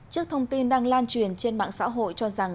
trước thông tin đang lan truyền trên mạng xã hội cho rằng